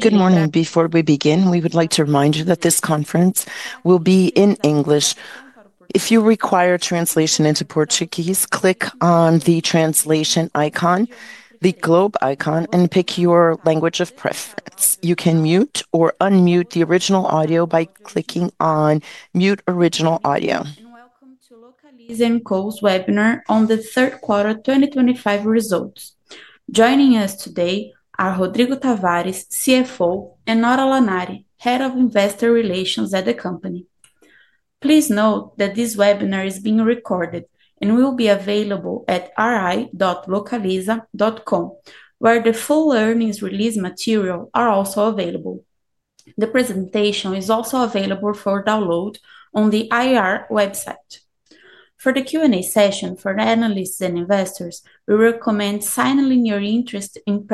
Good morning. Before we begin, we would like to remind you that this conference will be in English. If you require translation into Portuguese, click on the translation icon, the globe icon, and pick your language of preference. You can mute or unmute the original audio by clicking on Mute Original Audio. Welcome to Localiza Rent a Car's webinar on the third quarter 2025 results. Joining us today are Rodrigo Tavares, CFO, and Nora Lanari, Head of Investor Relations at the company. Please note that this webinar is being recorded and will be available at ri.localiza.com, where the full earnings release material is also available. The presentation is also available for download on the IR website. For the Q&A session for analysts and investors, we recommend signaling your interest in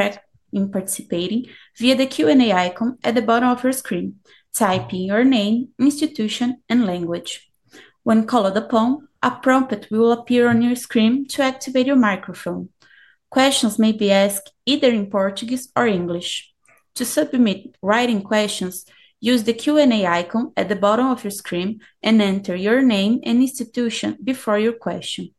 participating via the Q&A icon at the bottom of your screen. Type in your name, institution, and language. When called upon, a prompt will appear on your screen to activate your microphone. Questions may be asked either in Portuguese or English. To submit writing questions, use the Q&A icon at the bottom of your screen and enter your name and institution before your question.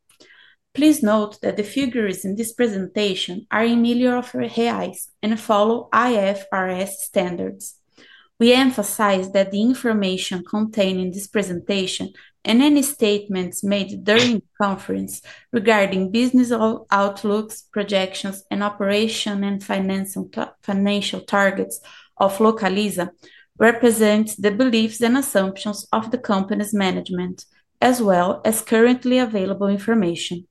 Please note that the figures in this presentation are in nearly offered heads and follow IFRS standards. We emphasize that the information contained in this presentation and any statements made during the conference regarding business outlooks, projections, and operation and financial targets of Localiza represent the beliefs and assumptions of the company's management, as well as currently available information.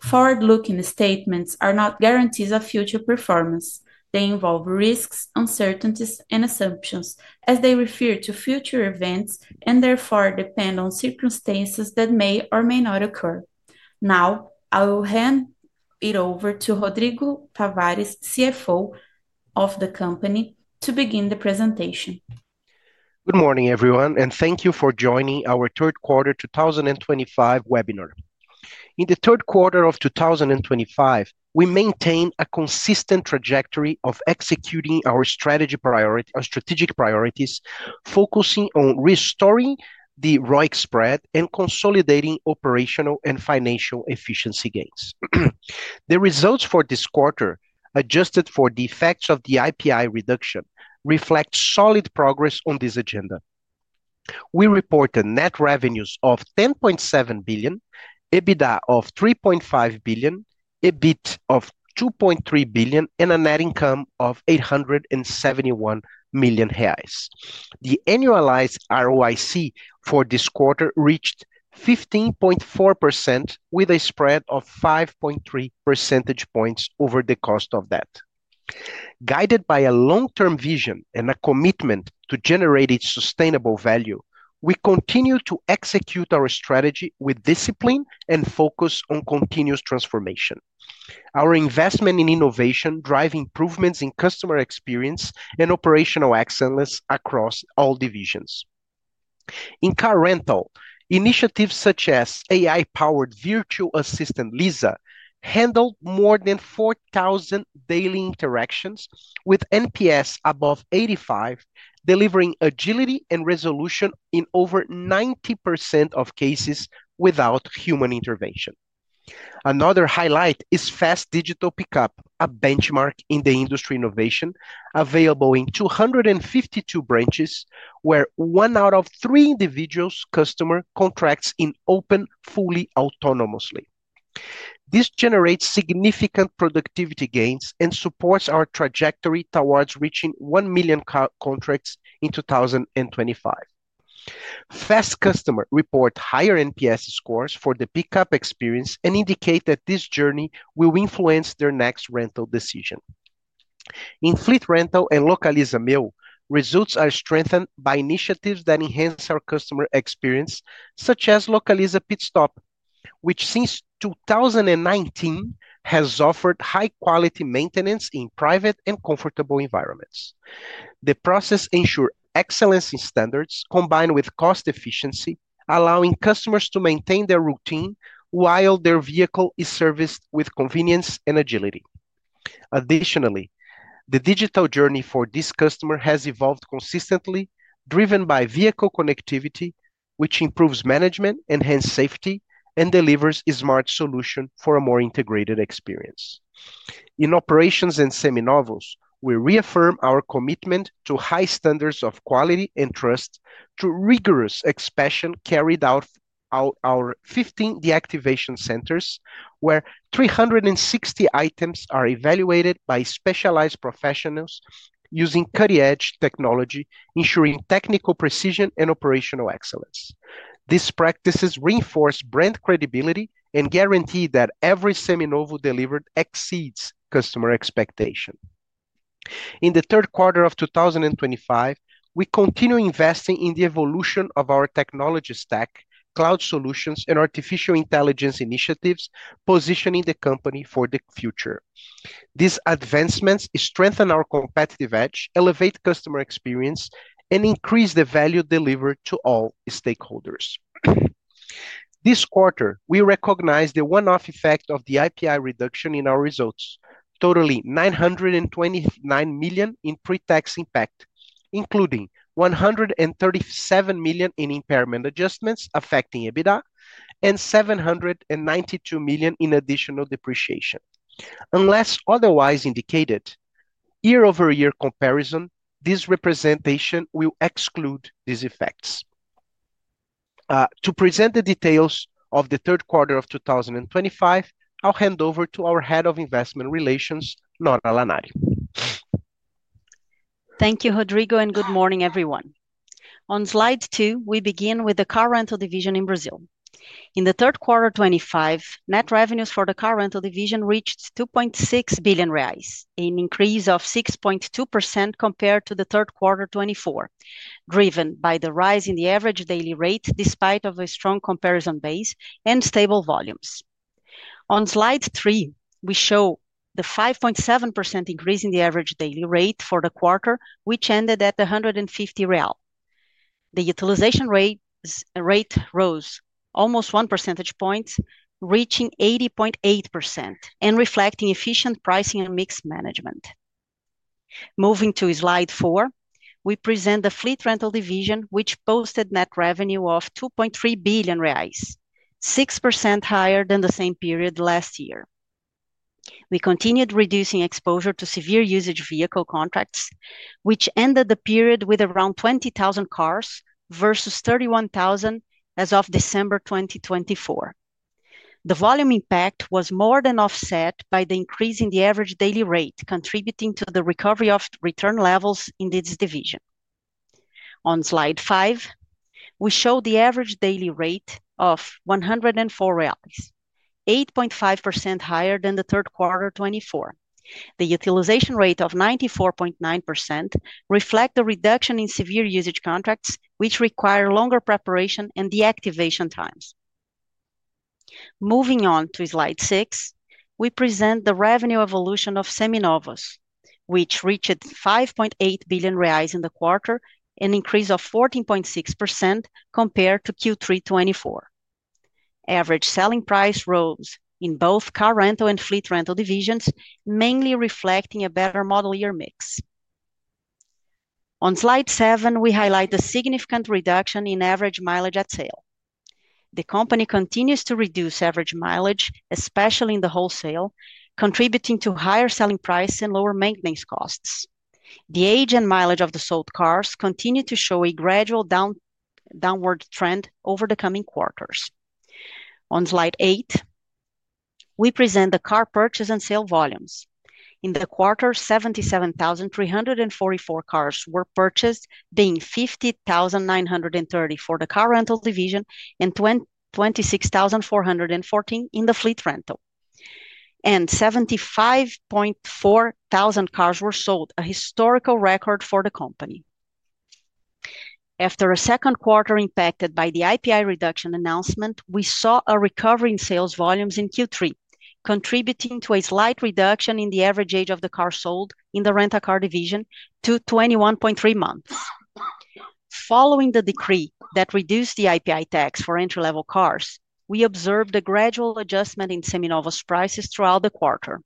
Forward-looking statements are not guarantees of future performance. They involve risks, uncertainties, and assumptions, as they refer to future events and therefore depend on circumstances that may or may not occur. Now, I will hand it over to Rodrigo Tavares, CFO of the company, to begin the presentation. Good morning, everyone, and thank you for joining our third quarter 2025 webinar. In the third quarter of 2025, we maintain a consistent trajectory of executing our strategic priorities, focusing on restoring the ROIC spread and consolidating operational and financial efficiency gains. The results for this quarter, adjusted for the effects of the IPI reduction, reflect solid progress on this agenda. We reported net revenues of 10.7 billion, EBITDA of 3.5 billion, EBIT of 2.3 billion, and a net income of 871 million reais. The annualized ROIC for this quarter reached 15.4%, with a spread of 5.3 percentage points over the cost of that. Guided by a long-term vision and a commitment to generate sustainable value, we continue to execute our strategy with discipline and focus on continuous transformation. Our investment in innovation drives improvements in customer experience and operational excellence across all divisions. In car rental, initiatives such as AI-powered virtual assistant Lisa handled more than 4,000 daily interactions with NPS above 85, delivering agility and resolution in over 90% of cases without human intervention. Another highlight is fast digital pickup, a benchmark in the industry innovation, available in 252 branches, where one out of three individual customer contracts in open fully autonomously. This generates significant productivity gains and supports our trajectory towards reaching 1 million contracts in 2025. Fast customer reports higher NPS scores for the pickup experience and indicate that this journey will influence their next rental decision. In fleet rental and Localiza Meal, results are strengthened by initiatives that enhance our customer experience, such as Localiza Pit Stop, which since 2019 has offered high-quality maintenance in private and comfortable environments. The process ensures excellence in standards, combined with cost efficiency, allowing customers to maintain their routine while their vehicle is serviced with convenience and agility. Additionally, the digital journey for this customer has evolved consistently, driven by vehicle connectivity, which improves management, enhances safety, and delivers a smart solution for a more integrated experience. In operations and Seminovos, we reaffirm our commitment to high standards of quality and trust through rigorous inspection carried out at our 15 deactivation centers, where 360 items are evaluated by specialized professionals using cutting-edge technology, ensuring technical precision and operational excellence. These practices reinforce brand credibility and guarantee that every Seminovos delivered exceeds customer expectation. In the third quarter of 2025, we continue investing in the evolution of our technology stack, cloud solutions, and artificial intelligence initiatives, positioning the company for the future. These advancements strengthen our competitive edge, elevate customer experience, and increase the value delivered to all stakeholders. This quarter, we recognize the one-off effect of the IPI reduction in our results, totaling 929 million in pretax impact, including 137 million in impairment adjustments affecting EBITDA and 792 million in additional depreciation. Unless otherwise indicated, year-over-year comparison, this representation will exclude these effects. To present the details of the third quarter of 2025, I'll hand over to our Head of Investor Relations, Nora Lanari. Thank you, Rodrigo, and good morning, everyone. On slide two, we begin with the car rental division in Brazil. In the third quarter 2025, net revenues for the car rental division reached 2.6 billion reais, an increase of 6.2% compared to the third quarter 2024, driven by the rise in the average daily rate despite the strong comparison base and stable volumes. On slide three, we show the 5.7% increase in the average daily rate for the quarter, which ended at 150 real. The utilization rate rose almost one percentage point, reaching 80.8% and reflecting efficient pricing and mix management. Moving to slide four, we present the fleet rental division, which posted net revenue of 2.3 billion reais, 6% higher than the same period last year. We continued reducing exposure to severe usage vehicle contracts, which ended the period with around 20,000 cars versus 31,000 as of December 2024. The volume impact was more than offset by the increase in the average daily rate, contributing to the recovery of return levels in this division. On slide five, we show the average daily rate of 104, 8.5% higher than the third quarter 2024. The utilization rate of 94.9% reflects the reduction in severe usage contracts, which require longer preparation and deactivation times. Moving on to slide six, we present the revenue evolution of Seminovos, which reached 5.8 billion reais in the quarter, an increase of 14.6% compared to Q3 2024. Average selling price rose in both car rental and fleet rental divisions, mainly reflecting a better model year mix. On slide seven, we highlight the significant reduction in average mileage at sale. The company continues to reduce average mileage, especially in the wholesale, contributing to higher selling price and lower maintenance costs. The age and mileage of the sold cars continue to show a gradual downward trend over the coming quarters. On slide eight, we present the car purchase and sale volumes. In the quarter, 77,344 cars were purchased, being 50,930 for the car rental division and 26,414 in the fleet rental, and 75,400 cars were sold, a historical record for the company. After a second quarter impacted by the IPI reduction announcement, we saw a recovery in sales volumes in Q3, contributing to a slight reduction in the average age of the car sold in the car rental division to 21.3 months. Following the decree that reduced the IPI tax for entry-level cars, we observed a gradual adjustment in Seminovos prices throughout the quarter.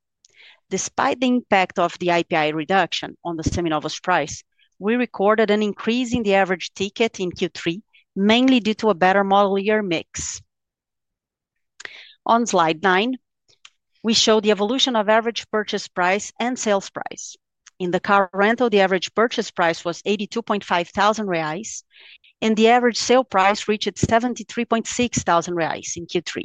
Despite the impact of the IPI reduction on the Seminovos price, we recorded an increase in the average ticket in Q3, mainly due to a better model year mix. On slide nine, we show the evolution of average purchase price and sales price. In the car rental, the average purchase price was 82,500 reais, and the average sale price reached 73,600 reais in Q3,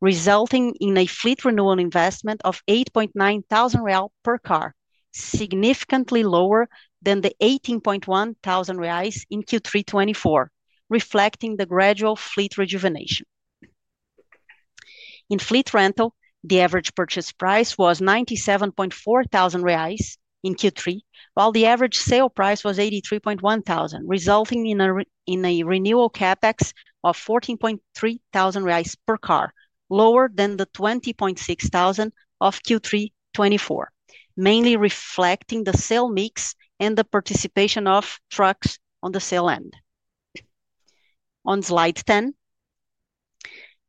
resulting in a fleet renewal investment of 8,900 real per car, significantly lower than the 18,100 reais in Q3 2024, reflecting the gradual fleet rejuvenation. In fleet rental, the average purchase price was 97,400 reais in Q3, while the average sale price was 83,100, resulting in a renewal capex of 14,300 reais per car, lower than the 20,600 of Q3 2024, mainly reflecting the sale mix and the participation of trucks on the sale end. On slide 10,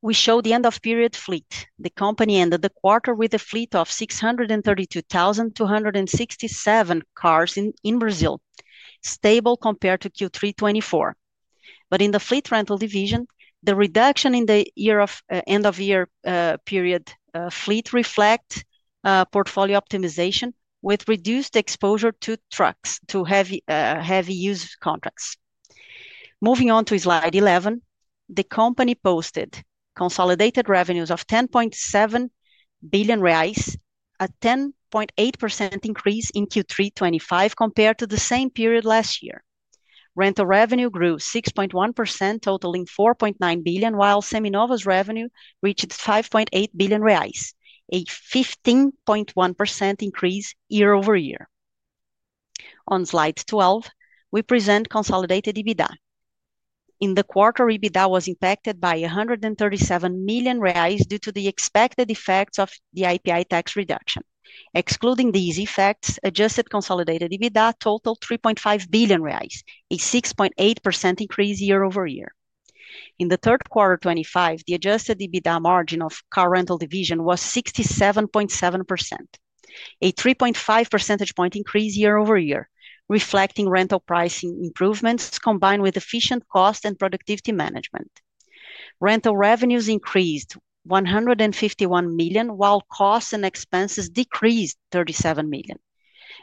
we show the end-of-period fleet. The company ended the quarter with a fleet of 632,267 cars in Brazil, stable compared to Q3 2024. In the fleet rental division, the reduction in the end-of-year period fleet reflects portfolio optimization with reduced exposure to trucks to heavy-use contracts. Moving on to slide 11, the company posted consolidated revenues of 10.7 billion reais, a 10.8% increase in Q3 2025 compared to the same period last year. Rental revenue grew 6.1%, totaling 4.9 billion, while Seminovos revenue reached 5.8 billion reais, a 15.1% increase year over year. On slide 12, we present consolidated EBITDA. In the quarter, EBITDA was impacted by 137 million reais due to the expected effects of the IPI tax reduction. Excluding these effects, adjusted consolidated EBITDA totaled 3.5 billion reais, a 6.8% increase year over year. In the third quarter 2025, the adjusted EBITDA margin of the car rental division was 67.7%, a 3.5 percentage point increase year over year, reflecting rental pricing improvements combined with efficient cost and productivity management. Rental revenues increased 151 million, while costs and expenses decreased 37 million.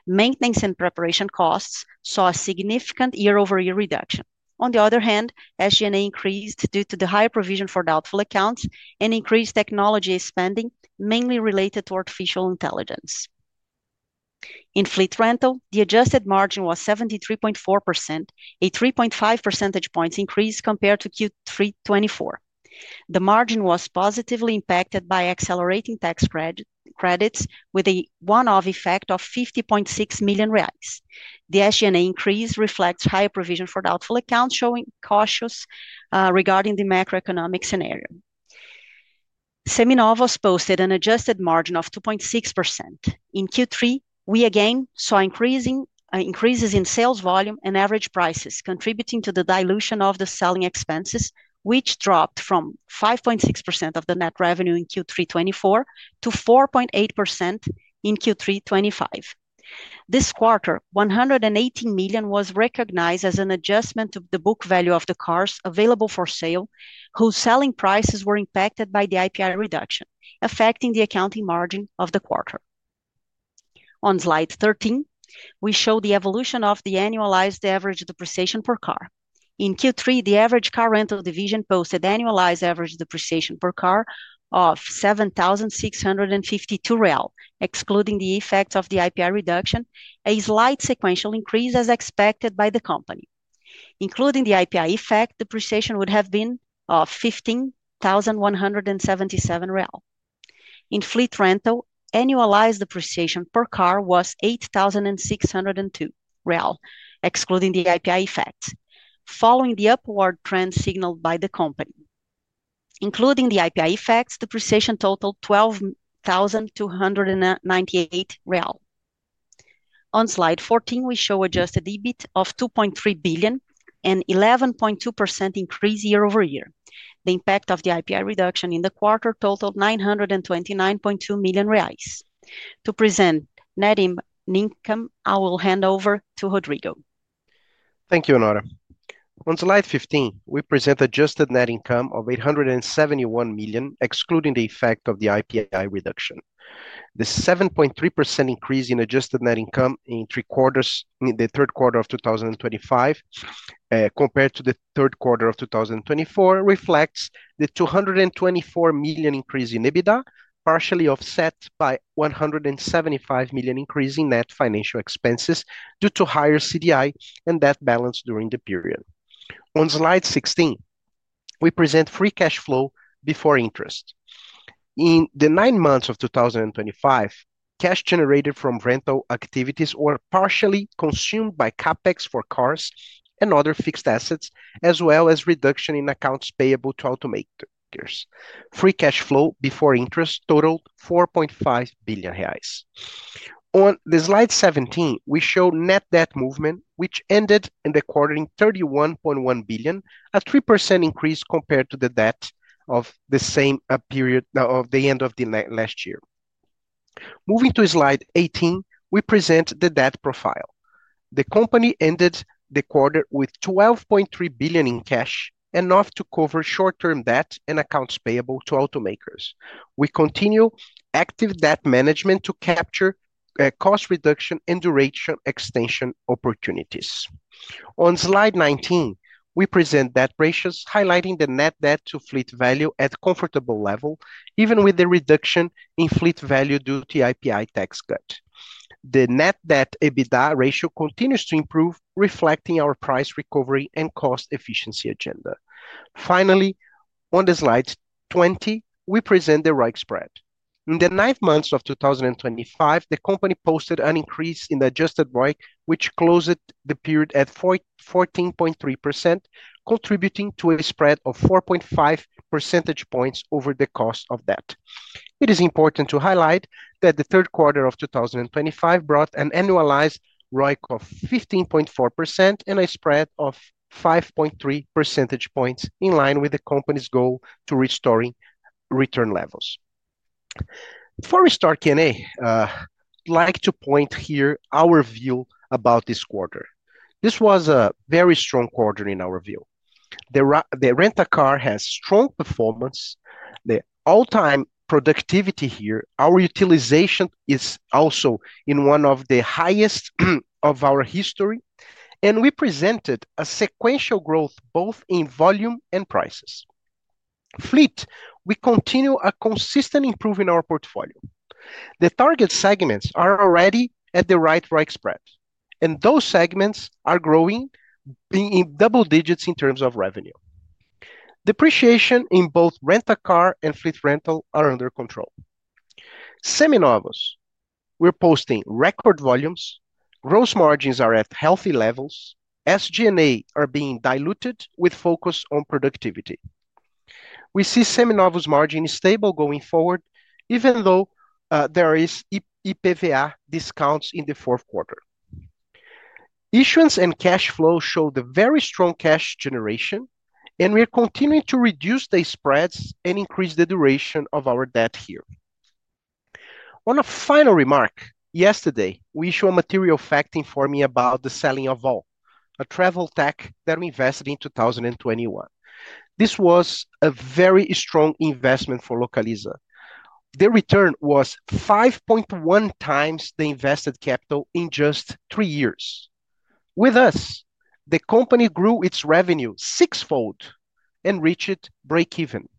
Maintenance and preparation costs saw a significant year-over-year reduction. On the other hand, SG&A increased due to the higher provision for doubtful accounts and increased technology spending, mainly related to artificial intelligence. In fleet rental, the adjusted margin was 73.4%, a 3.5 percentage point increase compared to Q3 2024. The margin was positively impacted by accelerating tax credits, with a one-off effect of 50.6 million reais. The SG&A increase reflects higher provision for doubtful accounts, showing cautiousness regarding the macroeconomic scenario. Seminovos posted an adjusted margin of 2.6%. In Q3, we again saw increases in sales volume and average prices, contributing to the dilution of the selling expenses, which dropped from 5.6% of the net revenue in Q3 2024 to 4.8% in Q3 2025. This quarter, 118 million was recognized as an adjustment to the book value of the cars available for sale, whose selling prices were impacted by the IPI reduction, affecting the accounting margin of the quarter. On slide 13, we show the evolution of the annualized average depreciation per car. In Q3, the average car rental division posted annualized average depreciation per car of 7,652 real, excluding the effects of the IPI reduction, a slight sequential increase as expected by the company. Including the IPI effect, depreciation would have been 15,177 real. In fleet rental, annualized depreciation per car was 8,602 real, excluding the IPI effect, following the upward trend signaled by the company. Including the IPI effect, depreciation totaled 12,298 real. On slide 14, we show adjusted EBIT of 2.3 billion, an 11.2% increase year over year. The impact of the IPI reduction in the quarter totaled 929.2 million reais. To present net income, I will hand over to Rodrigo. Thank you, Nora. On slide 15, we present adjusted net income of 871 million, excluding the effect of the IPI reduction. The 7.3% increase in adjusted net income in the third quarter of 2025 compared to the third quarter of 2024 reflects the 224 million increase in EBITDA, partially offset by 175 million increase in net financial expenses due to higher CDI and debt balance during the period. On slide 16, we present free cash flow before interest. In the nine months of 2025, cash generated from rental activities was partially consumed by capex for cars and other fixed assets, as well as reduction in accounts payable to automakers. Free cash flow before interest totaled 4.5 billion reais. On slide 17, we show net debt movement, which ended in the quarter at 31.1 billion, a 3% increase compared to the debt of the same period at the end of last year. Moving to slide 18, we present the debt profile. The company ended the quarter with 12.3 billion in cash, enough to cover short-term debt and accounts payable to automakers. We continue active debt management to capture cost reduction and duration extension opportunities. On slide 19, we present debt ratios, highlighting the net debt to fleet value at a comfortable level, even with the reduction in fleet value due to the IPI tax cut. The net debt to EBITDA ratio continues to improve, reflecting our price recovery and cost efficiency agenda. Finally, on slide 20, we present the ROIC spread. In the nine months of 2025, the company posted an increase in the adjusted ROIC, which closed the period at 14.3%, contributing to a spread of 4.5 percentage points over the cost of debt. It is important to highlight that the third quarter of 2025 brought an annualized ROIC of 15.4% and a spread of 5.3 percentage points, in line with the company's goal to restore return levels. Before we start Q&A, I'd like to point here our view about this quarter. This was a very strong quarter in our view. The rental car has strong performance, the all-time productivity here, our utilization is also in one of the highest of our history, and we presented a sequential growth both in volume and prices. Fleet, we continue a consistent improvement in our portfolio. The target segments are already at the right ROIC spread, and those segments are growing in double digits in terms of revenue. Depreciation in both car rental and fleet rental are under control. Seminovos, we're posting record volumes, gross margins are at healthy levels, SG&A are being diluted with focus on productivity. We see Seminovos margin is stable going forward, even though there are EPVA discounts in the fourth quarter. Issuance and cash flow show the very strong cash generation, and we're continuing to reduce the spreads and increase the duration of our debt here. On a final remark, yesterday, we issued a material fact informing about the selling of Voll, a travel tech that we invested in 2021. This was a very strong investment for Localiza. The return was 5.1 times the invested capital in just three years. With us, the company grew its revenue six-fold and reached break-even.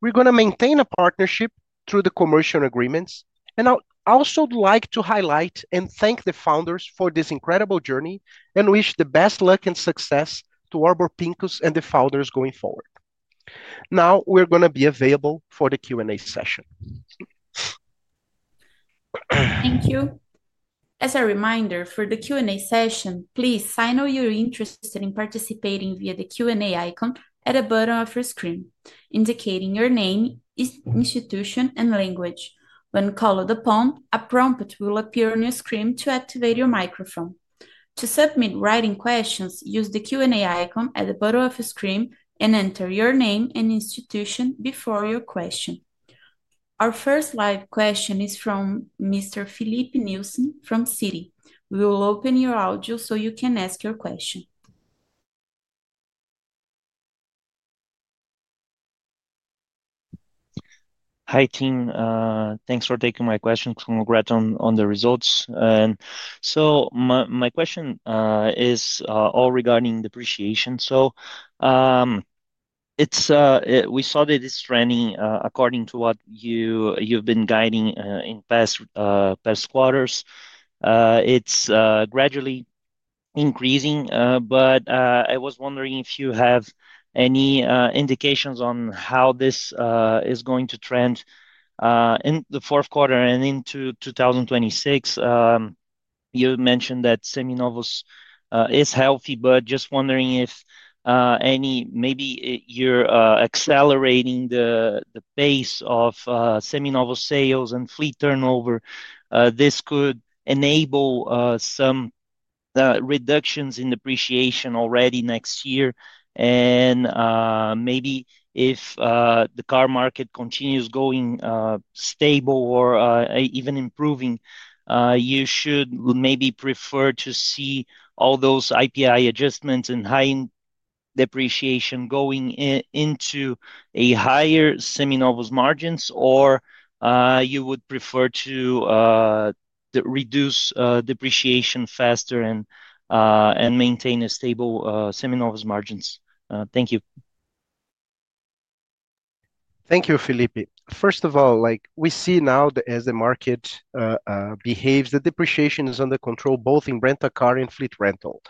We're going to maintain a partnership through the commercial agreements, and I also would like to highlight and thank the founders for this incredible journey and wish the best luck and success to Warburg Pincus and the founders going forward. Now, we're going to be available for the Q&A session. Thank you. As a reminder, for the Q&A session, please sign up if you're interested in participating via the Q&A icon at the bottom of your screen, indicating your name, institution, and language. When called upon, a prompt will appear on your screen to activate your microphone. To submit written questions, use the Q&A icon at the bottom of your screen and enter your name and institution before your question. Our first live question is from Mr. Filipe Nielsen from Citi. We will open your audio so you can ask your question. Hi, team. Thanks for taking my question. Congrats on the results. My question is all regarding depreciation. We saw that it's trending according to what you've been guiding in past quarters. It's gradually increasing, but I was wondering if you have any indications on how this is going to trend in the fourth quarter and into 2026. You mentioned that Seminovos is healthy, but just wondering if maybe you're accelerating the pace of Seminovos sales and fleet turnover. This could enable some reductions in depreciation already next year. Maybe if the car market continues going stable or even improving, you should maybe prefer to see all those IPI adjustments and high depreciation going into a higher Seminovos margins, or you would prefer to reduce depreciation faster and maintain a stable Seminovos margins. Thank you. Thank you, Filipe. First of all, we see now as the market behaves, the depreciation is under control both in rental car and fleet rental.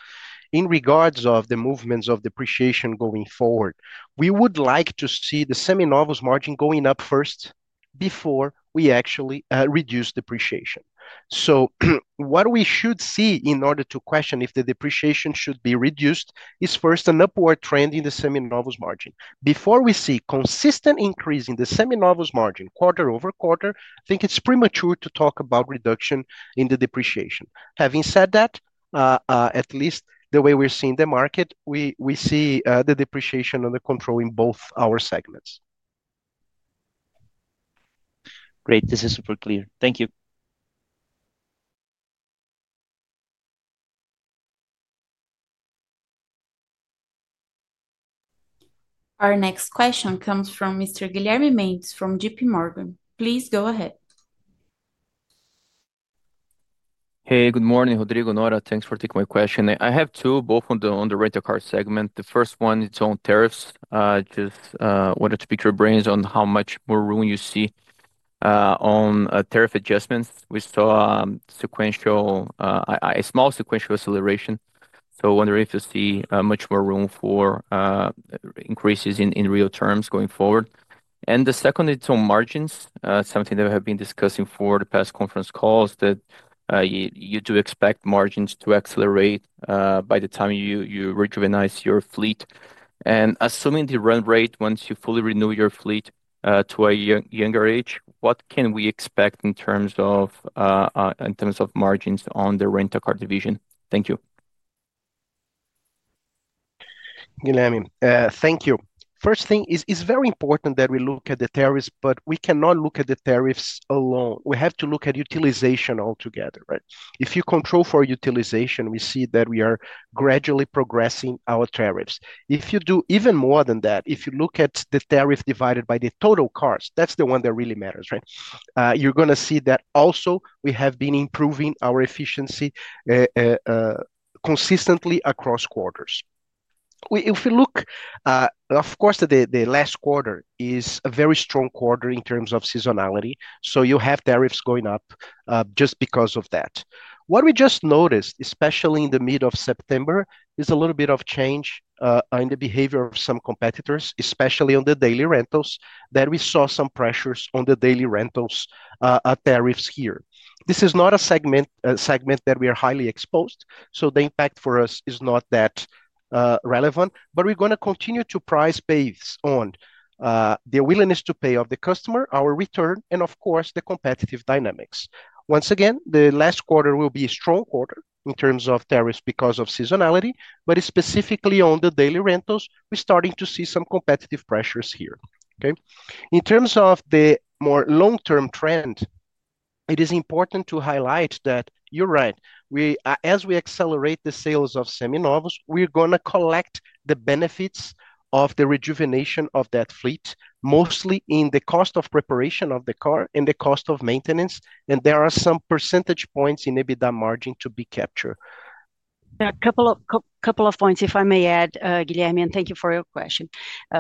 In regards to the movements of depreciation going forward, we would like to see the Seminovos margin going up first before we actually reduce depreciation. So what we should see in order to question if the depreciation should be reduced is first an upward trend in the Seminovos margin. Before we see a consistent increase in the Seminovos margin quarter over quarter, I think it's premature to talk about reduction in the depreciation. Having said that, at least the way we're seeing the market, we see the depreciation under control in both our segments. Great. This is super clear. Thank you. Our next question comes from Mr. Guilherme Mendes from JPMorgan. Please go ahead. Hey, good morning, Rodrigo, Nora. Thanks for taking my question. I have two, both on the rental car segment. The first one is on tariffs. Just wanted to pick your brains on how much more room you see on tariff adjustments. We saw a small sequential acceleration. I wonder if you see much more room for increases in real terms going forward. The second is on margins, something that we have been discussing for the past conference calls, that you do expect margins to accelerate by the time you rejuvenize your fleet. Assuming the rent rate, once you fully renew your fleet to a younger age, what can we expect in terms of margins on the rental car division? Thank you. Guilherme, thank you. First thing, it's very important that we look at the tariffs, but we cannot look at the tariffs alone. We have to look at utilization altogether. If you control for utilization, we see that we are gradually progressing our tariffs. If you do even more than that, if you look at the tariff divided by the total cars, that's the one that really matters. You're going to see that also we have been improving our efficiency consistently across quarters. If you look, of course, the last quarter is a very strong quarter in terms of seasonality. You have tariffs going up just because of that. What we just noticed, especially in the mid of September, is a little bit of change in the behavior of some competitors, especially on the daily rentals, that we saw some pressures on the daily rentals tariffs here. This is not a segment that we are highly exposed, so the impact for us is not that relevant, but we're going to continue to price based on the willingness to pay of the customer, our return, and of course, the competitive dynamics. Once again, the last quarter will be a strong quarter in terms of tariffs because of seasonality. Specifically on the daily rentals, we're starting to see some competitive pressures here. In terms of the more long-term trend, it is important to highlight that you're right. As we accelerate the sales of Seminovos, we're going to collect the benefits of the rejuvenation of that fleet, mostly in the cost of preparation of the car and the cost of maintenance, and there are some percentage points in EBITDA margin to be captured. A couple of points, if I may add, Guilherme, and thank you for your question.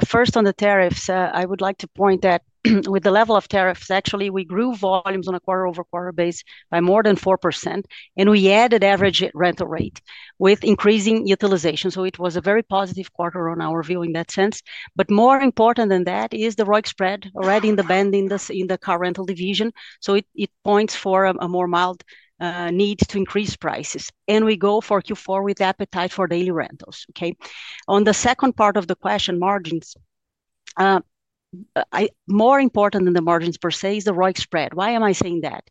First, on the tariffs, I would like to point that with the level of tariffs, actually, we grew volumes on a quarter-over-quarter base by more than 4%, and we added average rental rate with increasing utilization. It was a very positive quarter in our view in that sense. More important than that is the ROIC spread already in the band in the car rental division. It points to a more mild need to increase prices. We go for Q4 with appetite for daily rentals. On the second part of the question, margins, more important than the margins per se is the ROIC spread. Why am I saying that?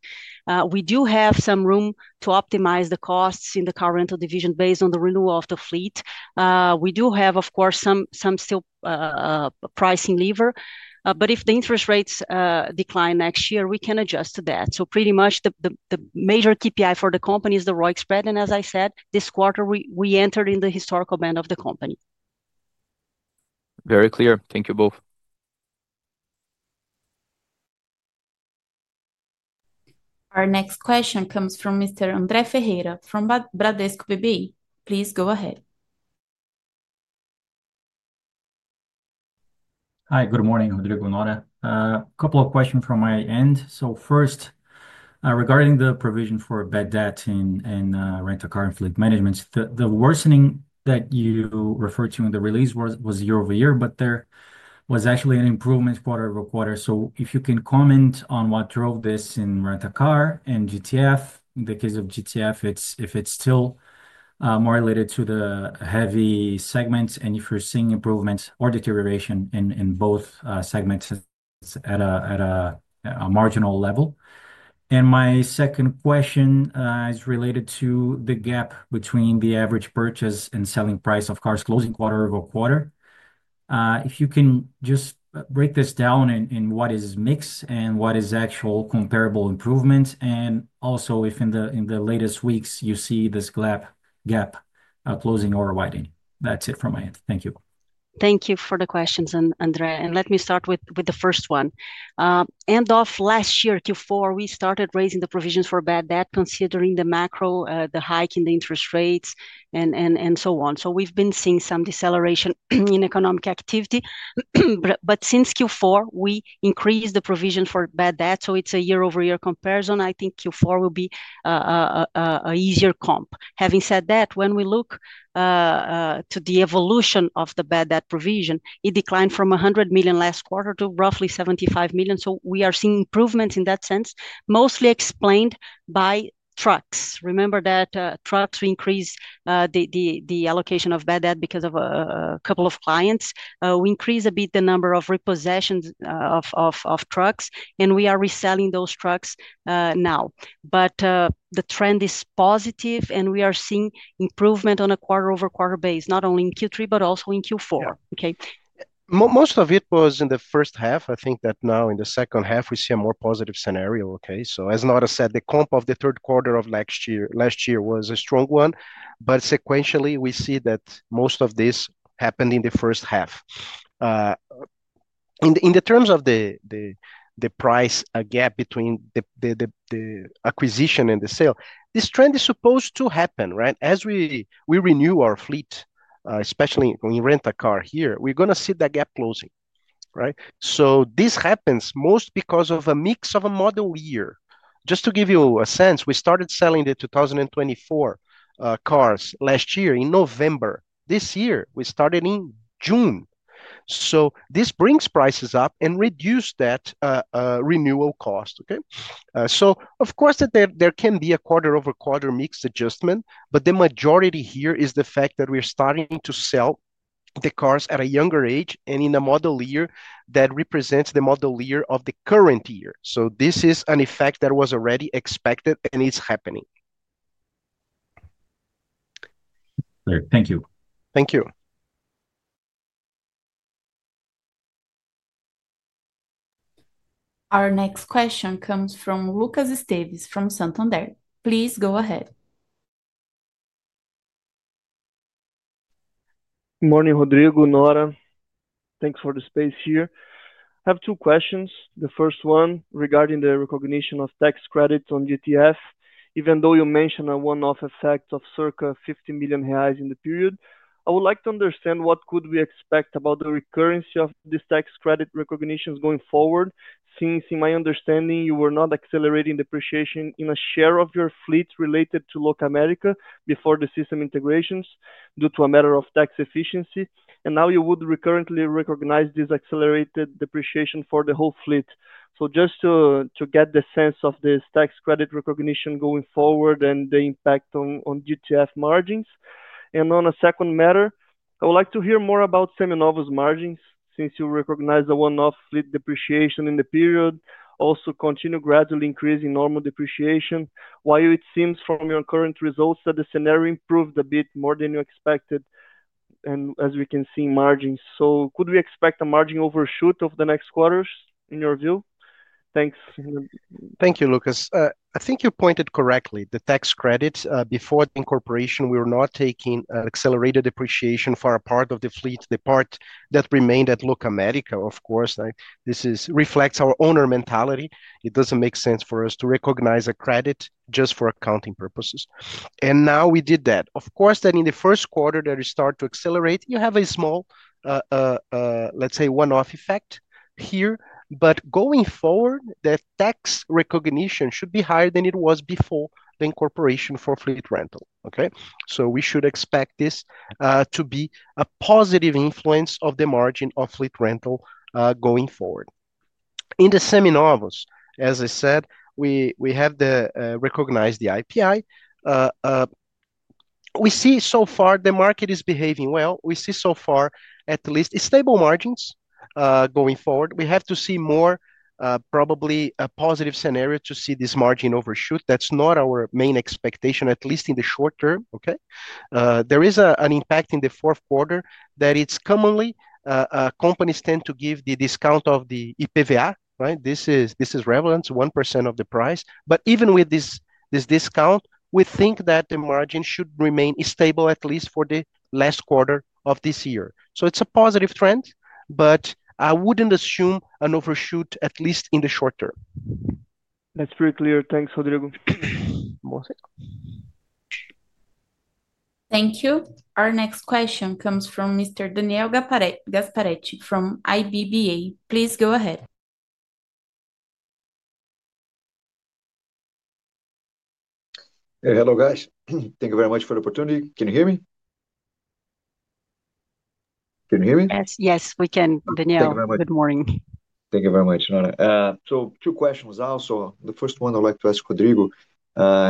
We do have some room to optimize the costs in the car rental division based on the renewal of the fleet. We do have, of course, some still pricing lever, but if the interest rates decline next year, we can adjust to that. Pretty much the major KPI for the company is the ROIC spread. As I said, this quarter, we entered in the historical band of the company. Very clear. Thank you both. Our next question comes from Mr. André Ferreira from Bradesco BBI. Please go ahead. Hi, good morning, Rodrigo, Nora. A couple of questions from my end. First, regarding the provision for bad debt in rental car and fleet management, the worsening that you referred to in the release was year over year, but there was actually an improvement quarter over quarter. If you can comment on what drove this in rental car and GTF, in the case of GTF, if it is still more related to the heavy segments, and if you are seeing improvements or deterioration in both segments at a marginal level. My second question is related to the gap between the average purchase and selling price of cars closing quarter over quarter. If you can just break this down in what is mix and what is actual comparable improvements, and also if in the latest weeks you see this gap closing or widening. That is it from my end. Thank you. Thank you for the questions, André. Let me start with the first one. End of last year, Q4, we started raising the provisions for bad debt considering the macro, the hike in the interest rates, and so on. We have been seeing some deceleration in economic activity. Since Q4, we increased the provision for bad debt. It is a year-over-year comparison. I think Q4 will be an easier comp. Having said that, when we look to the evolution of the bad debt provision, it declined from 100 million last quarter to roughly 75 million. We are seeing improvements in that sense, mostly explained by trucks. Remember that trucks increase the allocation of bad debt because of a couple of clients. We increased a bit the number of repossessions of trucks, and we are reselling those trucks now. The trend is positive, and we are seeing improvement on a quarter-over-quarter base, not only in Q3, but also in Q4. Most of it was in the first half. I think that now in the second half, we see a more positive scenario. As Nora said, the comp of the third quarter of last year was a strong one, but sequentially, we see that most of this happened in the first half. In terms of the price gap between the acquisition and the sale, this trend is supposed to happen. As we renew our fleet, especially in rental car here, we are going to see the gap closing. This happens mostly because of a mix of a model year. Just to give you a sense, we started selling the 2024 cars last year in November. This year, we started in June. This brings prices up and reduces that renewal cost. Of course, there can be a quarter-over-quarter mixed adjustment, but the majority here is the fact that we're starting to sell the cars at a younger age and in a model year that represents the model year of the current year. This is an effect that was already expected, and it's happening. Thank you. Thank you. Our next question comes from Lucas Esteves from Santander. Please go ahead. Good morning, Rodrigo, Nora. Thanks for the space here. I have two questions. The first one regarding the recognition of tax credits on GTF, even though you mentioned a one-off effect of circa 50 million reais in the period. I would like to understand what could we expect about the recurrence of these tax credit recognitions going forward, since in my understanding, you were not accelerating depreciation in a share of your fleet related to LocAmerica before the system integrations due to a matter of tax efficiency. And now you would recurrently recognize this accelerated depreciation for the whole fleet. Just to get the sense of this tax credit recognition going forward and the impact on GTF margins. On a second matter, I would like to hear more about Seminovos margins since you recognize a one-off fleet depreciation in the period, also continue gradually increasing normal depreciation, while it seems from your current results that the scenario improved a bit more than you expected, and as we can see in margins. Could we expect a margin overshoot over the next quarters in your view? Thanks. Thank you, Lucas. I think you pointed correctly. The tax credits before the incorporation, we were not taking accelerated depreciation for a part of the fleet, the part that remained at LocAmerica, of course. This reflects our owner mentality. It does not make sense for us to recognize a credit just for accounting purposes. Now we did that. Of course, in the first quarter that we start to accelerate, you have a small, let's say, one-off effect here. Going forward, the tax recognition should be higher than it was before the incorporation for fleet rental. We should expect this to be a positive influence on the margin of fleet rental going forward. In the Seminovos, as I said, we have recognized the IPI. We see so far the market is behaving well. We see so far, at least, stable margins going forward. We have to see more probably a positive scenario to see this margin overshoot. That's not our main expectation, at least in the short term. There is an impact in the fourth quarter that it's commonly companies tend to give the discount of the EPVA. This is relevant, 1% of the price. But even with this discount, we think that the margin should remain stable, at least for the last quarter of this year. So it's a positive trend, but I wouldn't assume an overshoot, at least in the short term. That's very clear. Thanks, Rodrigo. Thank you. Our next question comes from Mr. Daniel Gasparete from Itaú BBA. Please go ahead. Hello, guys. Thank you very much for the opportunity. Can you hear me? Yes, we can, Daniel. Good morning. Thank you very much, Nora. Two questions also. The first one, I'd like to ask Rodrigo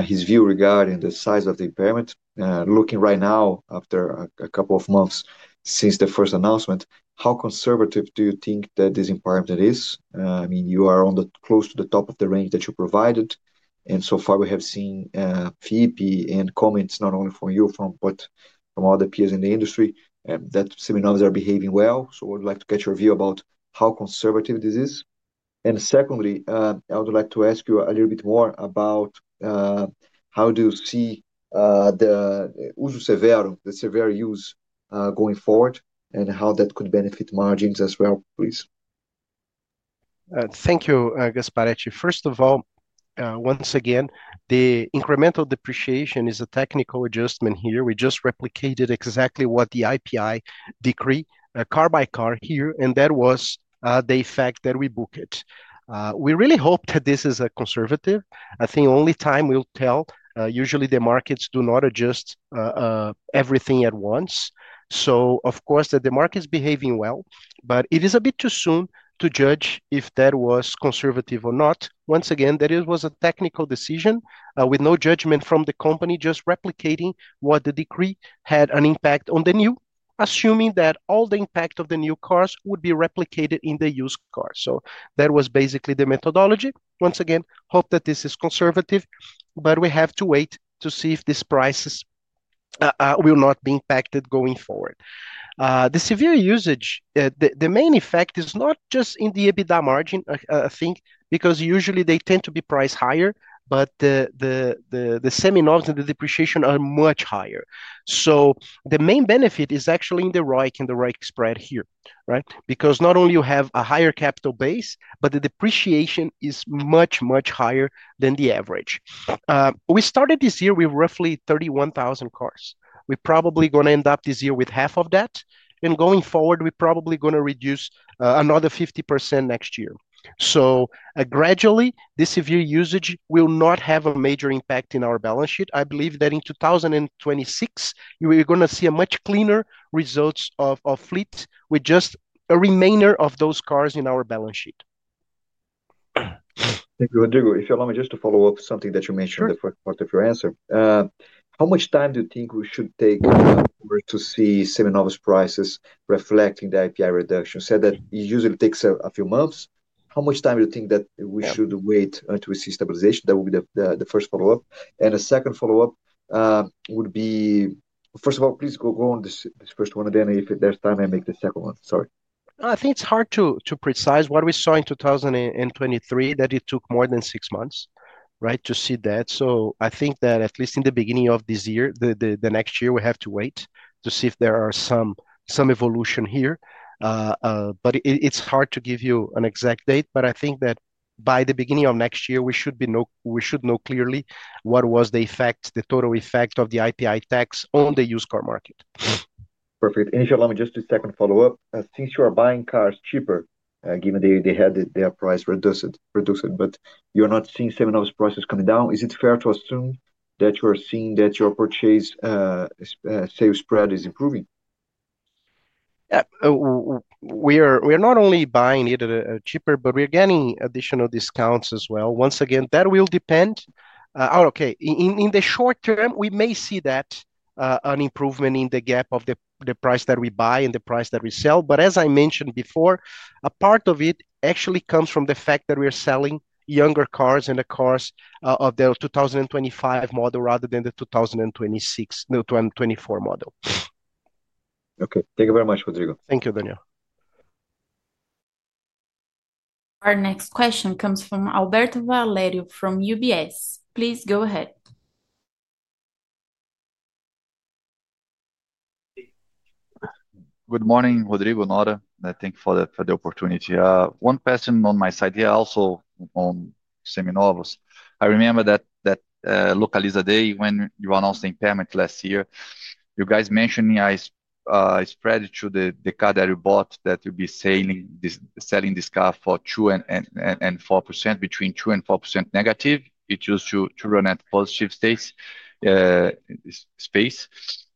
his view regarding the size of the impairment. Looking right now, after a couple of months since the first announcement, how conservative do you think that this impairment is? I mean, you are close to the top of the range that you provided. So far, we have seen feedback and comments not only from you, but from other peers in the industry that Seminovos are behaving well. I'd like to get your view about how conservative this is. Secondly, I would like to ask you a little bit more about how you see the uso severo, the severe use, going forward, and how that could benefit margins as well, please. Thank you, Gasparetti. First of all, once again, the incremental depreciation is a technical adjustment here. We just replicated exactly what the IPI decree, car by car here, and that was the effect that we booked. We really hope that this is conservative. I think only time will tell. Usually, the markets do not adjust everything at once. Of course, the market's behaving well, but it is a bit too soon to judge if that was conservative or not. Once again, it was a technical decision with no judgment from the company, just replicating what the decree had an impact on the new, assuming that all the impact of the new cars would be replicated in the used cars. That was basically the methodology. Once again, hope that this is conservative, but we have to wait to see if these prices will not be impacted going forward. The severe usage, the main effect is not just in the EBITDA margin, I think, because usually they tend to be priced higher, but the semi-novos and the depreciation are much higher. So the main benefit is actually in the ROIC and the ROIC spread here, because not only you have a higher capital base, but the depreciation is much, much higher than the average. We started this year with roughly 31,000 cars. We are probably going to end up this year with half of that. And going forward, we are probably going to reduce another 50% next year. So gradually, this severe usage will not have a major impact in our balance sheet. I believe that in 2026, we're going to see much cleaner results of fleet with just a remainder of those cars in our balance sheet. Thank you, Rodrigo. If you allow me just to follow up something that you mentioned in the first part of your answer. How much time do you think we should take to see Seminovos prices reflecting the IPI reduction? You said that it usually takes a few months. How much time do you think that we should wait until we see stabilization? That would be the first follow-up. The second follow-up would be, first of all, please go on this first one, and then if there's time, I'll make the second one. Sorry. I think it's hard to precise what we saw in 2023, that it took more than six months to see that. I think that at least in the beginning of this year, the next year, we have to wait to see if there is some evolution here. It's hard to give you an exact date, but I think that by the beginning of next year, we should know clearly what was the effect, the total effect of the IPI tax on the used car market. Perfect. If you allow me just a second follow-up, since you are buying cars cheaper, given they had their price reduced, but you are not seeing Seminovos prices coming down, is it fair to assume that you are seeing that your purchase sales spread is improving? We are not only buying it cheaper, but we're getting additional discounts as well. Once again, that will depend. In the short term, we may see an improvement in the gap of the price that we buy and the price that we sell. As I mentioned before, a part of it actually comes from the fact that we're selling younger cars and the cars of the 2025 model rather than the 2024 model. Okay. Thank you very much, Rodrigo. Thank you, Daniel. Our next question comes from Alberto Valerio from UBS. Please go ahead. Good morning, Rodrigo, Nora. Thank you for the opportunity. One question on my side here, also on Seminovos. I remember that Localiza Day, when you announced the impairment last year, you guys mentioned a spread to the car that you bought that you'll be selling this car for 2%-4% negative. It used to run at positive space. With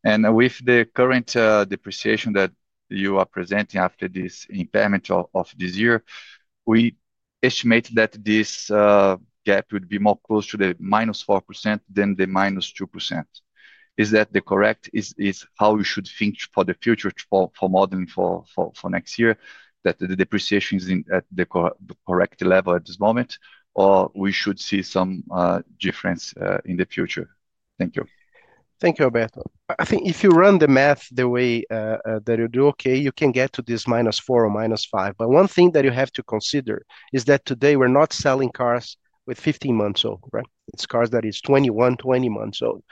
the current depreciation that you are presenting after this impairment of this year, we estimate that this gap would be more close to the minus 4% than the minus 2%. Is that correct, is that how we should think for the future for modeling for next year, that the depreciation is at the correct level at this moment, or should we see some difference in the future? Thank you. Thank you, Alberto. I think if you run the math the way that you do, okay, you can get to this minus 4 or minus 5. One thing that you have to consider is that today, we're not selling cars with 15 months old. It's cars that are 21, 20 months old.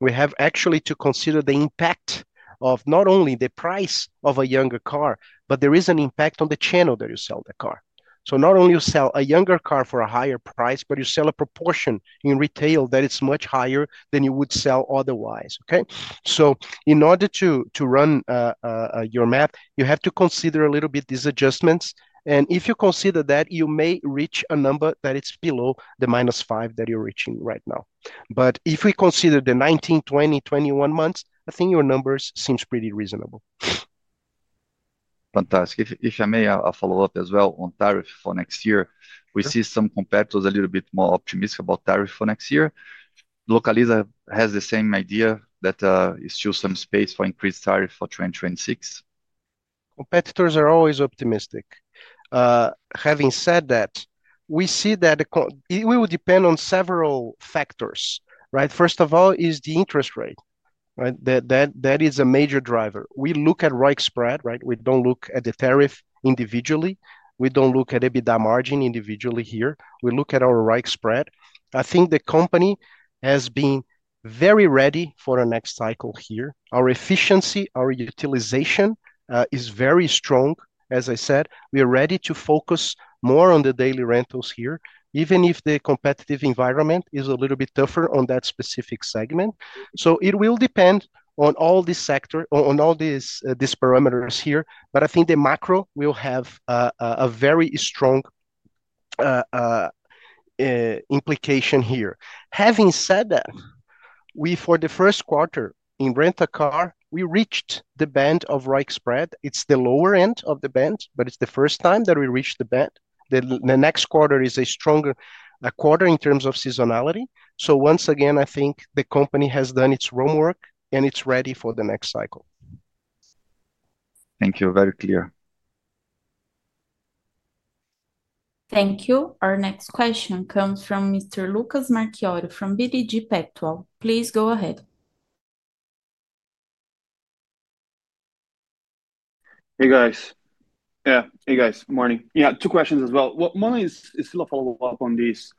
We have actually to consider the impact of not only the price of a younger car, but there is an impact on the channel that you sell the car. Not only you sell a younger car for a higher price, but you sell a proportion in retail that is much higher than you would sell otherwise. In order to run your math, you have to consider a little bit these adjustments. If you consider that, you may reach a number that is below the minus 5 that you're reaching right now. If we consider the 19, 20, 21 months, I think your numbers seem pretty reasonable. Fantastic. If I may, I'll follow up as well on tariff for next year. We see some competitors a little bit more optimistic about tariff for next year. Localiza has the same idea that it's still some space for increased tariff for 2026. Competitors are always optimistic. Having said that, we see that it will depend on several factors. First of all, is the interest rate. That is a major driver. We look at ROIC spread. We don't look at the tariff individually. We don't look at EBITDA margin individually here. We look at our ROIC spread. I think the company has been very ready for our next cycle here. Our efficiency, our utilization is very strong. As I said, we are ready to focus more on the daily rentals here, even if the competitive environment is a little bit tougher on that specific segment. It will depend on all these parameters here. I think the macro will have a very strong implication here. Having said that, for the first quarter in rent a car, we reached the band of ROIC spread. It's the lower end of the band, but it's the first time that we reached the band. The next quarter is a stronger quarter in terms of seasonality. Once again, I think the company has done its homework and it's ready for the next cycle. Thank you. Very clear. Thank you. Our next question comes from Mr. Lucas Marquiori from BTG Pactual. Please go ahead. Hey, guys. Morning. Yeah, two questions as well. One is still a follow-up on these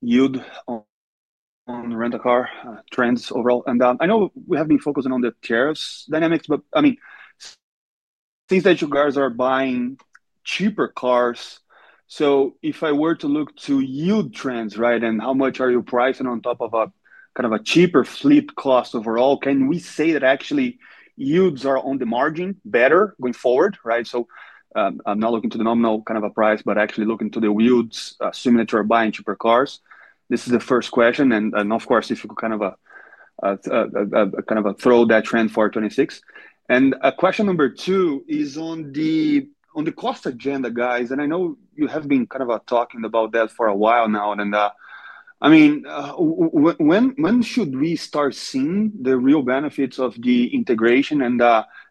yield on rent a car trends overall. I know we have been focusing on the tariffs dynamics, but I mean, since you guys are buying cheaper cars, if I were to look to yield trends and how much are you pricing on top of a kind of a cheaper fleet cost overall, can we say that actually yields are on the margin better going forward? I'm not looking to the nominal kind of a price, but actually looking to the yields assuming that you're buying cheaper cars. This is the first question. If you could kind of throw that trend for 2026. Question number two is on the cost agenda, guys. I know you have been kind of talking about that for a while now. I mean, when should we start seeing the real benefits of the integration?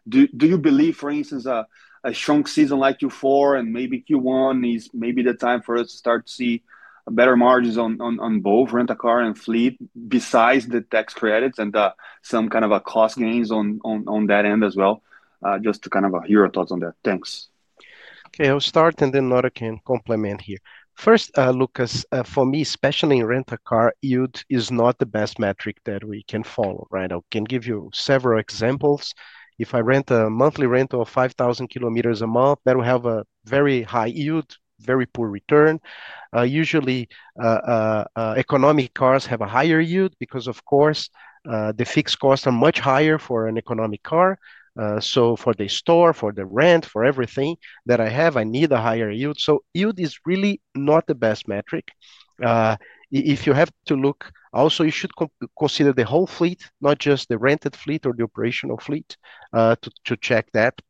Do you believe, for instance, a strong season like Q4 and maybe Q1 is maybe the time for us to start to see better margins on both rent a car and fleet besides the tax credits and some kind of cost gains on that end as well? Just to kind of hear your thoughts on that. Thanks. Okay, I'll start and then Nora can complement here. First, Lucas, for me, especially in rent a car, yield is not the best metric that we can follow. I can give you several examples. If I rent a monthly rental of 5,000 kilometers a month, that will have a very high yield, very poor return. Usually, economic cars have a higher yield because, of course, the fixed costs are much higher for an economic car. For the store, for the rent, for everything that I have, I need a higher yield. Yield is really not the best metric. If you have to look, also, you should consider the whole fleet, not just the rented fleet or the operational fleet to check that.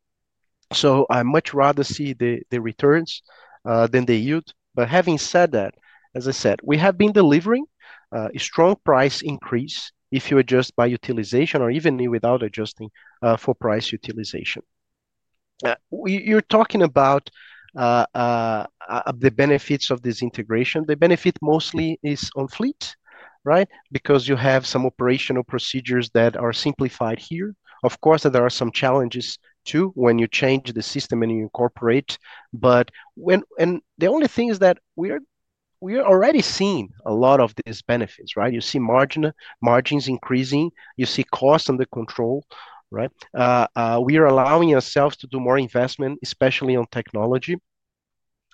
I much rather see the returns than the yield. Having said that, as I said, we have been delivering a strong price increase if you adjust by utilization or even without adjusting for utilization. You are talking about the benefits of this integration. The benefit mostly is on fleet because you have some operational procedures that are simplified here. Of course, there are some challenges too when you change the system and you incorporate. The only thing is that we are already seeing a lot of these benefits. You see margins increasing. You see costs under control. We are allowing ourselves to do more investment, especially on technology.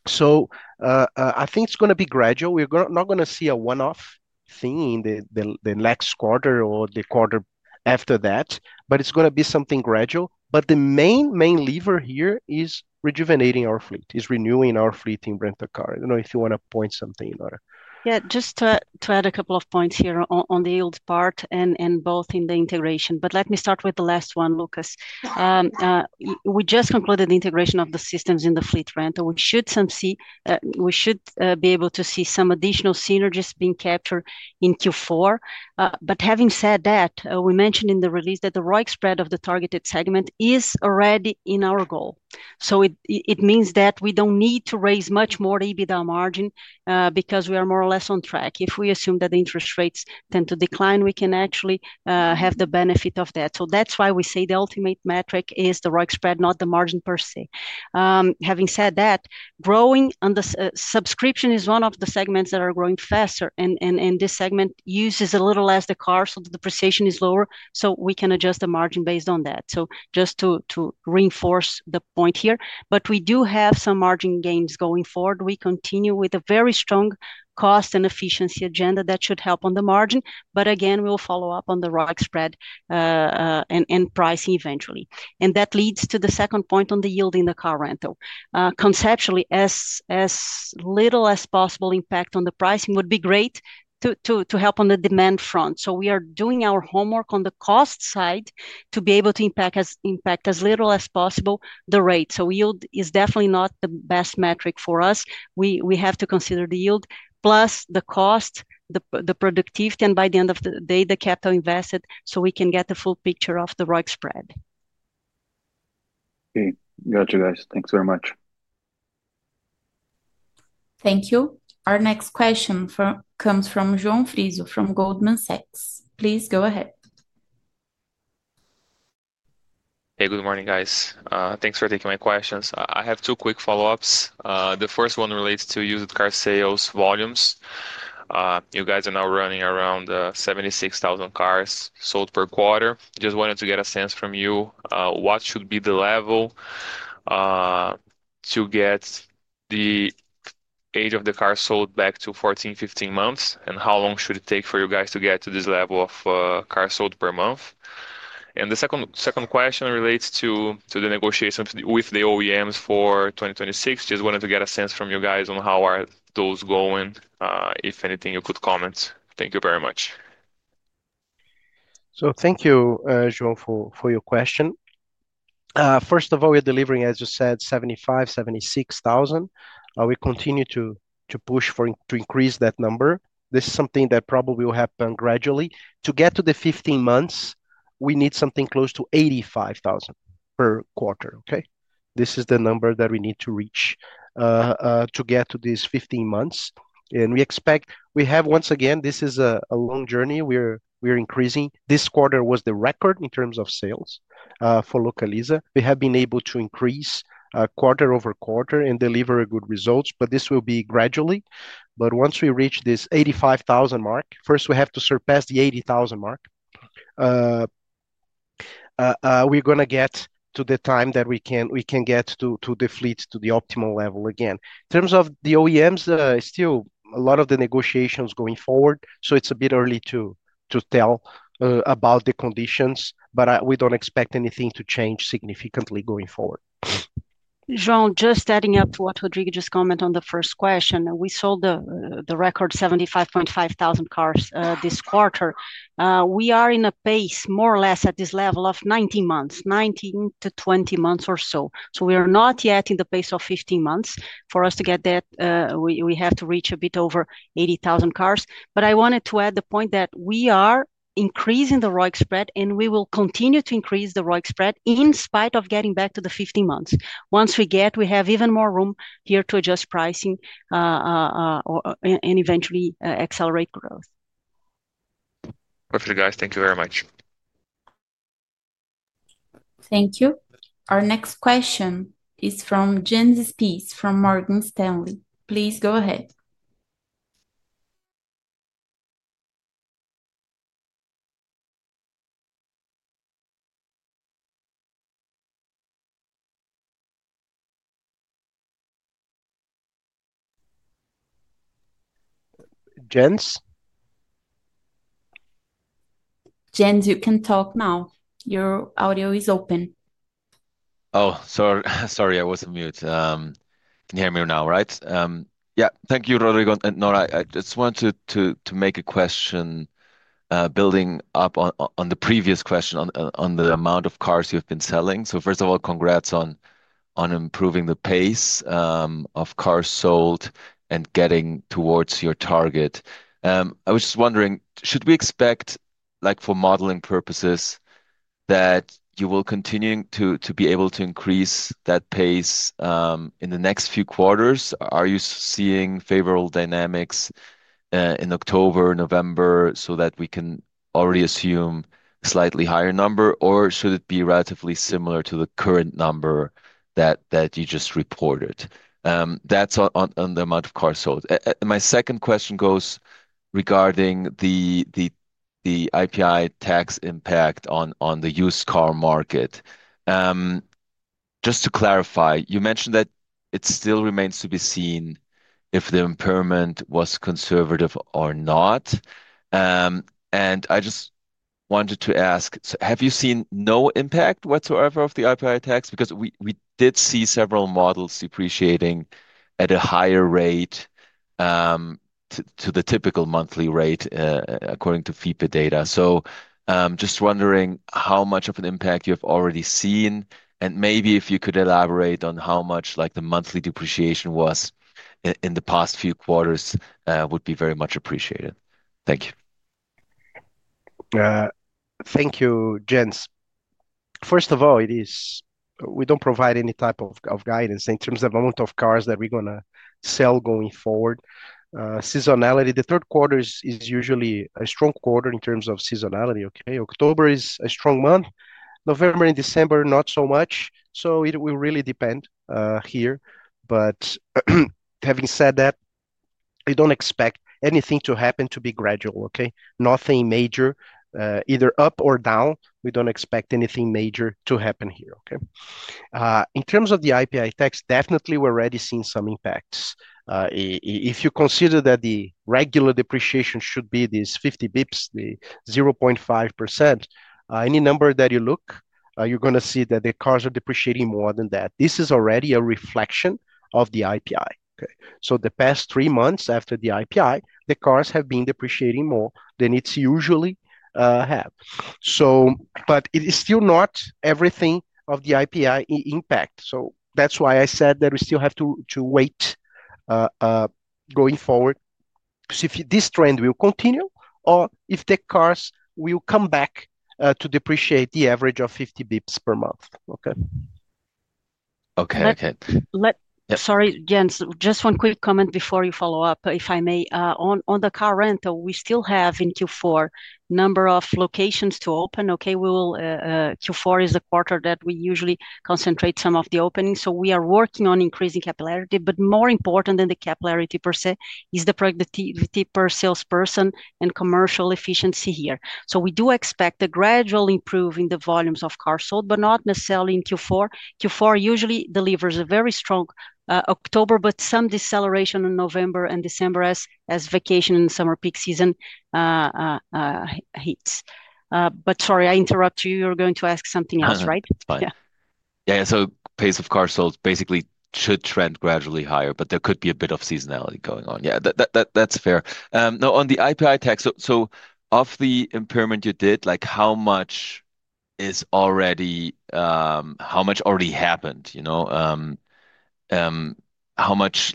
I think it is going to be gradual. We are not going to see a one-off thing in the next quarter or the quarter after that, but it is going to be something gradual. The main lever here is rejuvenating our fleet, is renewing our fleet in rent a car. I don't know if you want to point something, Nora. Yeah, just to add a couple of points here on the yield part and both in the integration. Let me start with the last one, Lucas. We just concluded the integration of the systems in the fleet rental. We should be able to see some additional synergies being captured in Q4. Having said that, we mentioned in the release that the ROIC spread of the targeted segment is already in our goal. It means that we do not need to raise much more EBITDA margin because we are more or less on track. If we assume that the interest rates tend to decline, we can actually have the benefit of that. That is why we say the ultimate metric is the ROIC spread, not the margin per se. Having said that, growing on the subscription is one of the segments that are growing faster. This segment uses a little less the car, so the depreciation is lower. We can adjust the margin based on that. Just to reinforce the point here. We do have some margin gains going forward. We continue with a very strong cost and efficiency agenda that should help on the margin. Again, we will follow up on the ROIC spread and pricing eventually. That leads to the second point on the yield in the car rental. Conceptually, as little as possible impact on the pricing would be great to help on the demand front. We are doing our homework on the cost side to be able to impact as little as possible the rate. Yield is definitely not the best metric for us. We have to consider the yield plus the cost, the productivity, and by the end of the day, the capital invested so we can get the full picture of the ROIC spread. Okay. Got you, guys. Thanks very much. Thank you. Our next question comes from João Frizo from Goldman Sachs. Please go ahead. Hey, good morning, guys. Thanks for taking my questions. I have two quick follow-ups. The first one relates to used car sales volumes. You guys are now running around 76,000 cars sold per quarter. Just wanted to get a sense from you, what should be the level to get the age of the car sold back to 14-15 months, and how long should it take for you guys to get to this level of cars sold per month? The second question relates to the negotiations with the OEMs for 2026. Just wanted to get a sense from you guys on how are those going. If anything, you could comment. Thank you very much. Thank you, João, for your question. First of all, we're delivering, as you said, 75,000-76,000. We continue to push to increase that number. This is something that probably will happen gradually. To get to the 15 months, we need something close to 85,000 per quarter. This is the number that we need to reach to get to these 15 months. We expect, once again, this is a long journey. We're increasing. This quarter was the record in terms of sales for Localiza. We have been able to increase quarter over quarter and deliver good results. This will be gradually. Once we reach this 85,000 mark, first, we have to surpass the 80,000 mark. We're going to get to the time that we can get the fleet to the optimal level again. In terms of the OEMs, still a lot of the negotiations going forward. So it's a bit early to tell about the conditions, but we don't expect anything to change significantly going forward. João, just adding up to what Rodrigo just commented on the first question. We sold the record 75,000 cars this quarter. We are in a pace more or less at this level of 19 months, 19 to 20 months or so. We are not yet in the pace of 15 months. For us to get that, we have to reach a bit over 80,000 cars. I wanted to add the point that we are increasing the ROIC spread, and we will continue to increase the ROIC spread in spite of getting back to the 15 months. Once we get, we have even more room here to adjust pricing and eventually accelerate growth. Perfect, guys. Thank you very much. Thank you. Our next question is from Genesis Peace from Morgan Stanley. Please go ahead. Jens? Jens, you can talk now. Your audio is open. Oh, sorry. I wasn't muted. Can you hear me now, right? Yeah. Thank you, Rodrigo and Nora. I just wanted to make a question building up on the previous question on the amount of cars you've been selling. So first of all, congrats on improving the pace of cars sold and getting towards your target. I was just wondering, should we expect for modeling purposes that you will continue to be able to increase that pace in the next few quarters? Are you seeing favorable dynamics in October, November so that we can already assume a slightly higher number, or should it be relatively similar to the current number that you just reported? That's on the amount of cars sold. My second question goes regarding the IPI tax impact on the used car market. Just to clarify, you mentioned that it still remains to be seen if the impairment was conservative or not. I just wanted to ask, have you seen no impact whatsoever of the IPI tax? Because we did see several models depreciating at a higher rate to the typical monthly rate according to FIPA data. Just wondering how much of an impact you have already seen, and maybe if you could elaborate on how much the monthly depreciation was in the past few quarters would be very much appreciated. Thank you. Thank you, Jens. First of all, we do not provide any type of guidance in terms of the amount of cars that we are going to sell going forward. Seasonality, the third quarter is usually a strong quarter in terms of seasonality. October is a strong month. November and December, not so much. It will really depend here. Having said that, we do not expect anything to happen to be gradual. Nothing major, either up or down. We do not expect anything major to happen here. In terms of the IPI tax, definitely we are already seeing some impacts. If you consider that the regular depreciation should be these 50 basis points, the 0.5%, any number that you look, you are going to see that the cars are depreciating more than that. This is already a reflection of the IPI. The past three months after the IPI, the cars have been depreciating more than it usually has. It is still not everything of the IPI impact. That is why I said that we still have to wait going forward to see if this trend will continue or if the cars will come back to depreciate the average of 50 basis points per month. Okay. Sorry, Jens, just one quick comment before you follow up, if I may. On the car rental, we still have in Q4 a number of locations to open. Q4 is a quarter that we usually concentrate some of the openings. We are working on increasing capillarity. More important than the capillarity per se is the productivity per salesperson and commercial efficiency here. We do expect a gradual improvement in the volumes of cars sold, but not necessarily in Q4. Q4 usually delivers a very strong October, but some deceleration in November and December as vacation and summer peak season hits. Sorry, I interrupt you. You are going to ask something else, right? That's fine. Yeah. Pace of cars sold basically should trend gradually higher, but there could be a bit of seasonality going on. Yeah, that's fair. Now, on the IPI tax, of the impairment you did, how much already happened? How much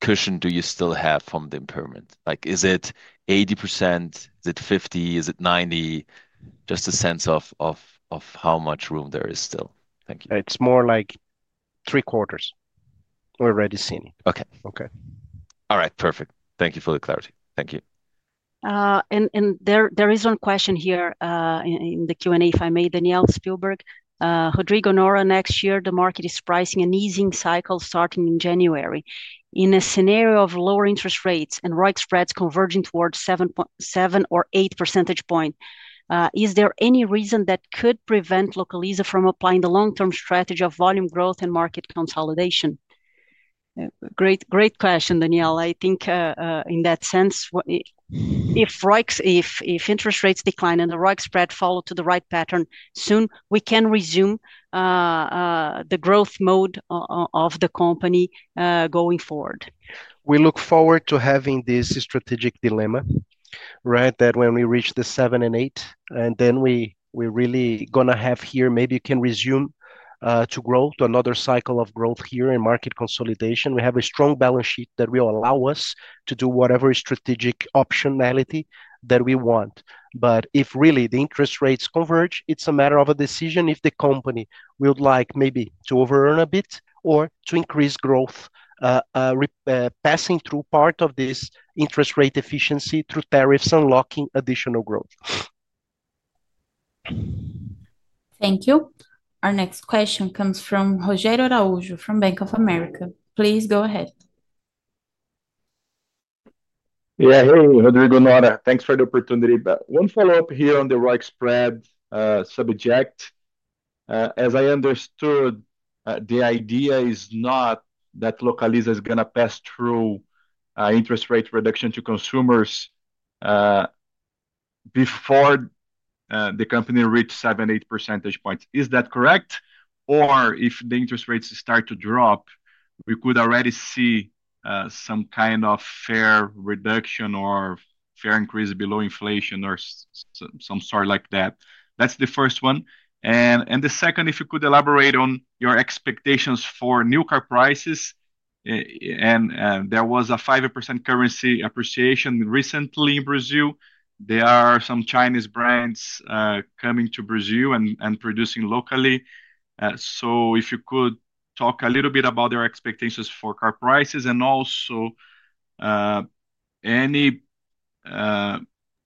cushion do you still have from the impairment? Is it 80%? Is it 50? Is it 90%? Just a sense of how much room there is still. Thank you. It's more like three quarters. We're already seeing it. Okay. All right. Perfect. Thank you for the clarity. Thank you. There is one question here in the Q&A, if I may, Danielle Spielberg. Rodrigo, Nora, next year, the market is pricing an easing cycle starting in January. In a scenario of lower interest rates and ROIC spreads converging towards 7 or 8 percentage points, is there any reason that could prevent Localiza from applying the long-term strategy of volume growth and market consolidation? Great question, Danielle. I think in that sense, if interest rates decline and the ROIC spread followed to the right pattern soon, we can resume the growth mode of the company going forward. We look forward to having this strategic dilemma that when we reach the 7 and 8, and then we're really going to have here, maybe you can resume to grow to another cycle of growth here and market consolidation. We have a strong balance sheet that will allow us to do whatever strategic optionality that we want. If really the interest rates converge, it's a matter of a decision if the company would like maybe to overrun a bit or to increase growth, passing through part of this interest rate efficiency through tariffs and locking additional growth. Thank you. Our next question comes from Rogério Araújo from Bank of America. Please go ahead. Yeah. Hey, Rodrigo, Nora, thanks for the opportunity. One follow-up here on the ROIC spread subject. As I understood, the idea is not that Localiza is going to pass through interest rate reduction to consumers before the company reaches 7-8 percentage points. Is that correct? If the interest rates start to drop, could we already see some kind of fare reduction or fare increase below inflation or something like that? That's the first one. The second, if you could elaborate on your expectations for new car prices. There was a 5% currency appreciation recently in Brazil. There are some Chinese brands coming to Brazil and producing locally. If you could talk a little bit about your expectations for car prices and also any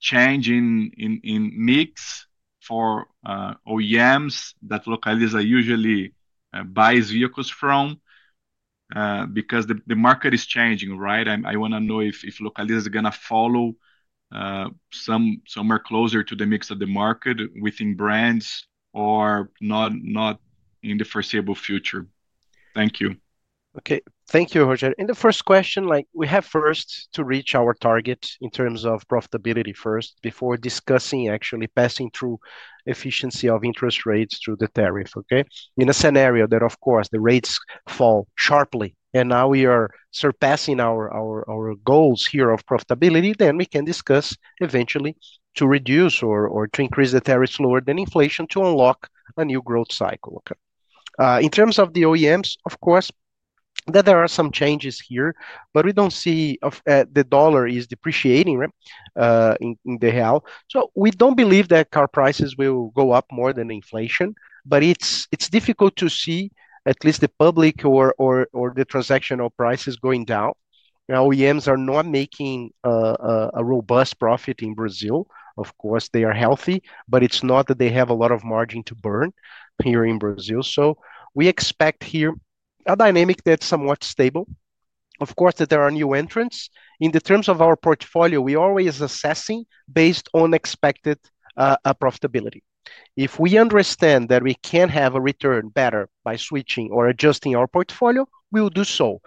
change in mix for OEMs that Localiza usually buys vehicles from because the market is changing, right? I want to know if Localiza is going to follow somewhere closer to the mix of the market within brands or not in the foreseeable future. Thank you. Okay. Thank you, Rogério. In the first question, we have first to reach our target in terms of profitability first before discussing actually passing through efficiency of interest rates through the tariff. In a scenario that, of course, the rates fall sharply and now we are surpassing our goals here of profitability, then we can discuss eventually to reduce or to increase the tariffs lower than inflation to unlock a new growth cycle. In terms of the OEMs, of course, there are some changes here, but we do not see the dollar is depreciating in the real. So we do not believe that car prices will go up more than inflation, but it is difficult to see at least the public or the transactional prices going down. OEMs are not making a robust profit in Brazil. Of course, they are healthy, but it's not that they have a lot of margin to burn here in Brazil. We expect here a dynamic that's somewhat stable. Of course, there are new entrants. In the terms of our portfolio, we are always assessing based on expected profitability. If we understand that we can have a return better by switching or adjusting our portfolio, we will do so.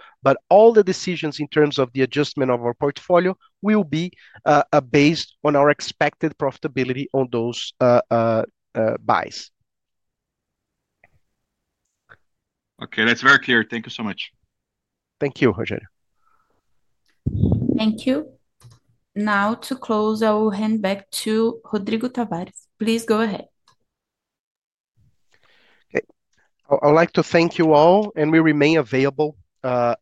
All the decisions in terms of the adjustment of our portfolio will be based on our expected profitability on those buys. Okay. That's very clear. Thank you so much. Thank you, Rogério. Thank you. Now, to close, I will hand back to Rodrigo Tavares. Please go ahead. Okay. I would like to thank you all, and we remain available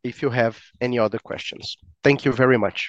if you have any other questions. Thank you very much.